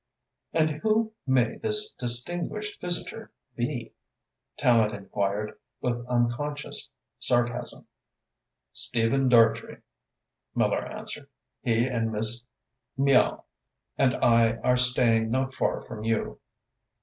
"And who may this distinguished visitor he?" Tallente enquired, with unconscious sarcasm. "Stephen Dartrey," Miller answered. "He and Miss Miall and I are staying not far from you."